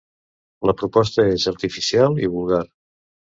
La proposta és artificial i vulgar.